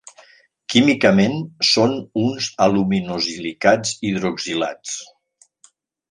Químicament són uns aluminosilicats hidroxilats.